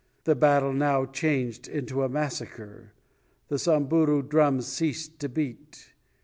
The battle now changed into a massacre. The Samburu drums ceased to beat.